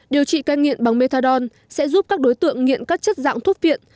điều trị cai nghiện bằng methadon sẽ giúp các đối tượng nghiện các chất dạng thuốc viện